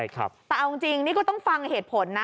แต่เอาจริงนี่ก็ต้องฟังเหตุผลนะ